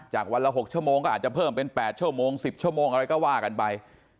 วันละ๖ชั่วโมงก็อาจจะเพิ่มเป็น๘ชั่วโมง๑๐ชั่วโมงอะไรก็ว่ากันไป